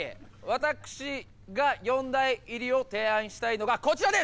私が四大入りを提案したいのがこちらです。